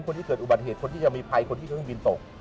คนที่เกิดอุบัติเหตุคนที่จะมีภัยคนที่เครื่องบินตก